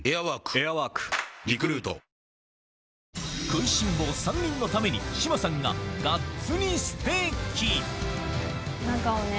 食いしん坊３人のために志麻さんががっつりステーキ中をね。